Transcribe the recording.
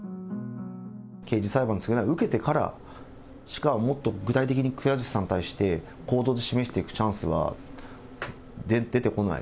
刑事裁判の償いを受けてからしか、もっと具体的にくら寿司さんに対して、行動で示していくチャンスは出てこない。